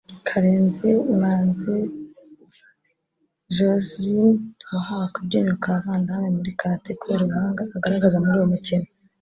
Karenzi Manzi Joslyn wahawe akabyiniriro ka Vandamme muri Karate kubera ubuhanga agaragaza muri uyu mukino